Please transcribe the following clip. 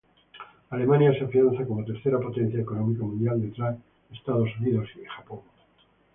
Alemania se afianza como tercera potencia económica mundial detrás de Estados Unidos y Japón.